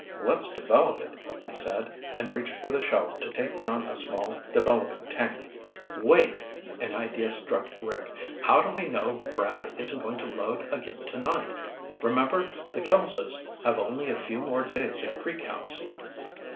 "Let's develop it," he said, and reached for the shelf to take down a small developing tank. "Wait!" An idea struck Rick. "How do we know Brad isn't going to load again tonight? Remember the Kelsos have only a few more days at Creek House."